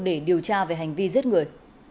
để điều tra về hành vi giết người